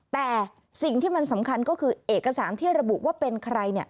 แต่สิ่งที่มันสำคัญก็คือเอกสารที่ระบุว่าเป็นใคร